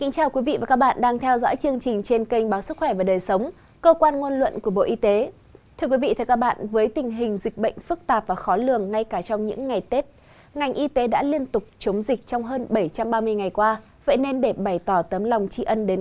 các bạn hãy đăng ký kênh để ủng hộ kênh của chúng mình nhé